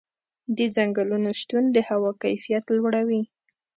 د ځنګلونو شتون د هوا کیفیت لوړوي.